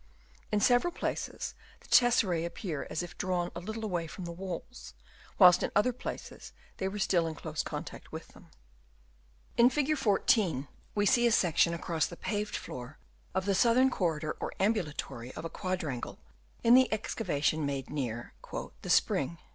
In several places, the tesserae appeared as if drawn a little away from the walls ; whilst Chap. IV. OF ANCIENT BUILDINGS. 215 in other places they were still in close contact with them. In Fig. 14, we see a section across the paved floor of the southern corridor or ambulatory of a quadrangle, in an excavation made near " The Spring."